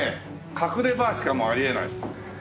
隠れバーしかもうありえない。